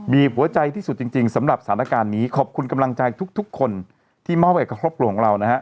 หัวใจที่สุดจริงสำหรับสถานการณ์นี้ขอบคุณกำลังใจทุกคนที่มอบให้กับครอบครัวของเรานะฮะ